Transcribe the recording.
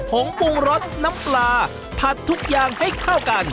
งปรุงรสน้ำปลาผัดทุกอย่างให้เข้ากัน